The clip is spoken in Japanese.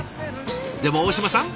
でも大嶋さん